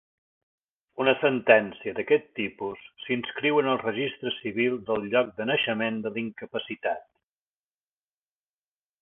Una sentència d'aquest tipus s'inscriu en el registre civil del lloc de naixement de l'incapacitat.